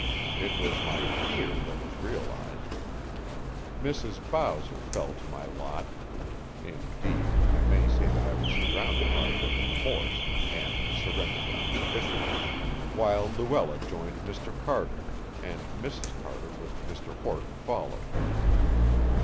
It was my fear that was realized. Mrs. Bowser fell to my lot indeed, I may say that I was surrounded by her in force, and surrendered unconditionally while Luella joined Mr. Carter, and Mrs. Carter with Mr. Horton followed.